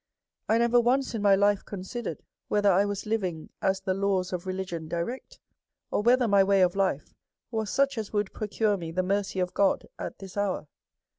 I never once in my life considered whether I was living as the laws of religion direct, or whether my way of life was such as would procure me the mercy of God at this hour.